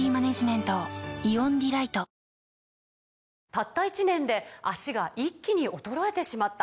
「たった１年で脚が一気に衰えてしまった」